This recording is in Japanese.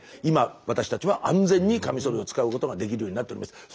今私たちは安全にカミソリを使うことができるようになっております。